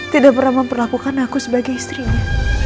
tidak pernah memperlakukan aku sebagai istrinya